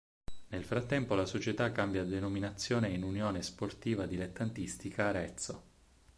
Nel frattempo la società cambia denominazione in "Unione Sportiva Dilettantistica Arezzo".